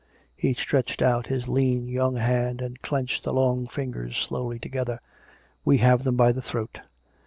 (He stretched out his lean, young hand, and clenched the long fingers slowly together.) " We have them by the throat.